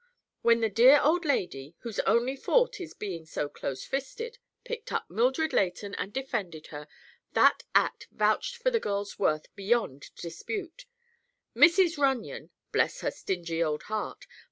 When the dear old lady—whose only fault is being so close fisted—picked up Mildred Leighton and defended her, that act vouched for the girl's worth beyond dispute. Mrs. Runyon—bless her stingy old heart!